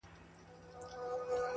ورک سم په هینداره کي له ځان سره!